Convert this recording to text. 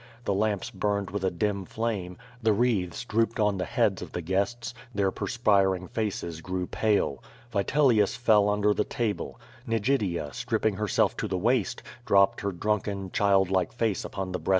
The lamps burned ^vith a dim flame; the wreaths drooped on the heads of the guests; their perspiring faces grew pale. Vitel iu8 fcU under the table. Nigidia^ stripping herself to the QUO TADIS. 69 waist, dropped her drunken, child like face upon the breai?